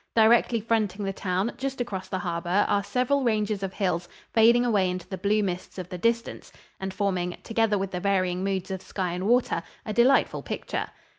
Directly fronting the town, just across the harbor, are several ranges of hills fading away into the blue mists of the distance and forming, together with the varying moods of sky and water, a delightful picture.